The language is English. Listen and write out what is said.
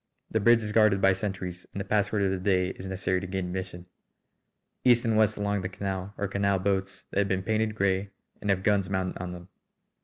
The bridge is guarded by sentries and the password of the day is necessary to gain admission. East and west along the canal are canal boats that have been painted grey and have guns mounted on them.